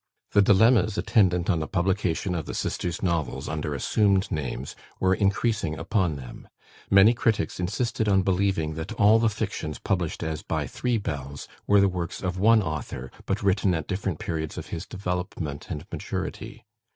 The dilemmas attendant on the publication of the sisters' novels, under assumed names, were increasing upon them. Many critics insisted on believing, that all the fictions published as by three Bells were the works of one author, but written at different periods of his development and maturity.